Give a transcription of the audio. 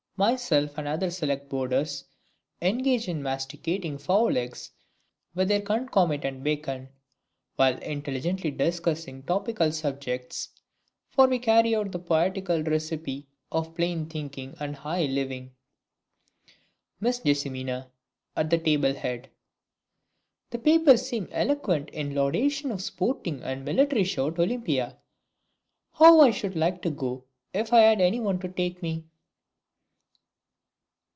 Myself and other select boarders engaged in masticating fowl eggs with their concomitant bacon, while intelligently discussing topical subjects (for we carry out the poetical recipe of "Plain thinking and high living"). Miss Jessimina (at the table head). The papers seem eloquent in laudation of the Sporting and Military Show at Olympia. How I should like to go if I had anyone to take me!